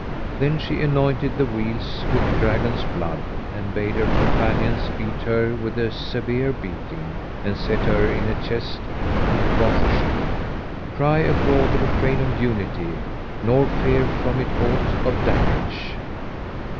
Then she anointed the wheels with dragon's blood and bade her companions beat her with a severe beating, and set her in a chest and, quoth she, "Cry abroad the Refrain of Unity,[FN#413] nor fear from it aught of damage!"